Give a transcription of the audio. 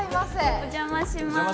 お邪魔します。